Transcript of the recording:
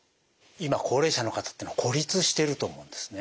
今高齢者の方ってのは孤立してると思うんですね。